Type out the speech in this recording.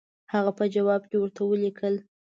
هغه په جواب کې ورته ولیکل.